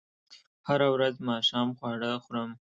هره ورځ ماښام خواړه خورم